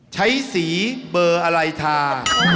ใช้สีเบอร์อะไรทา